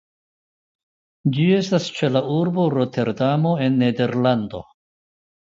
Ĝi estas ĉe la urbo Roterdamo en Nederlando.